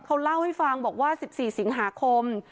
เขาเล่าให้ฟังบอกว่า๑๔สิงหาคม